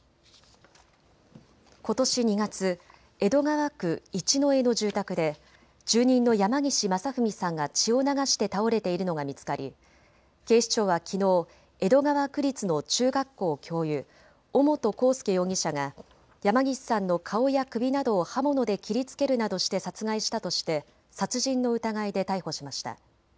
ことし２月、江戸川区一之江の住宅で住人の山岸正文さんが血を流して倒れているのが見つかり警視庁はきのう江戸川区立の中学校教諭、尾本幸祐容疑者が山岸さんの顔や首などを刃物で切りつけるなどして殺害したとして殺人の疑いで逮捕しました。